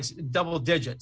di dua digit